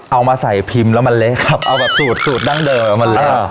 เอามาใส่พิมพ์แล้วมันเละครับเอาแบบสูตรสูตรดั้งเดิมมัน